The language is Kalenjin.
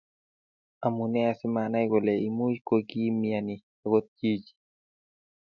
Amune asimanai kole imuch kokiimiani agot chichi?